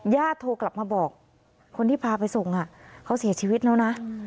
โทรกลับมาบอกคนที่พาไปส่งเขาเสียชีวิตแล้วนะ